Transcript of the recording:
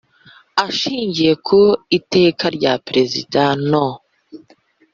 Ashingiye ku Iteka rya Perezida no